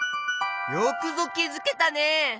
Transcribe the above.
よくぞきづけたね！